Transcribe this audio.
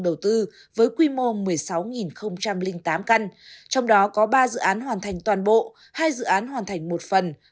đầu tư với quy mô một mươi sáu tám căn trong đó có ba dự án hoàn thành toàn bộ hai dự án hoàn thành một phần